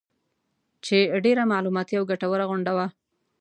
چې ډېره معلوماتي او ګټوره غونډه وه